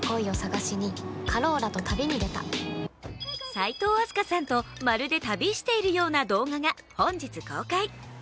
齋藤飛鳥さんとまるで旅しているような動画が本日公開。